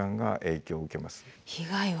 被害は。